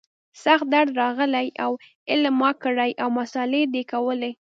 سخت درد راغلى و علم ما کړى او مسالې ده کولې.